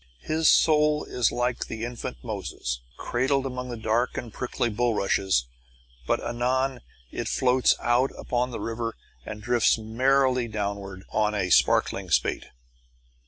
His soul is like the infant Moses, cradled among dark and prickly bullrushes; but anon it floats out upon the river and drifts merrily downward on a sparkling spate.